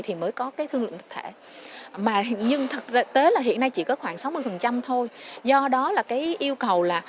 thì mới có cái thương lượng tập thể mà nhưng thực tế là hiện nay chỉ có khoảng sáu mươi thôi do đó là cái yêu cầu là